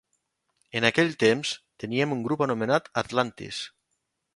En aquell temps, tenien un grup anomenat "Atlantis".